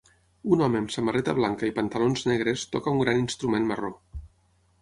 Un home amb samarreta blanca i pantalons negres toca un gran instrument marró.